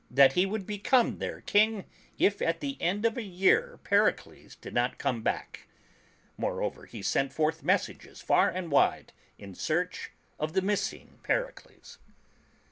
64 THE CHILDREN'S SHAKESPEARE. would become their King, if at the end of a year Pericles did not come back. Moreover, he sent forth messages far and wide in search of the missing Pericles.